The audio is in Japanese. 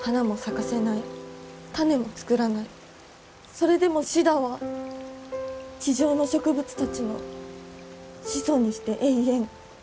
それでもシダは地上の植物たちの始祖にして永遠。